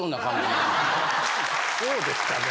そうですかね。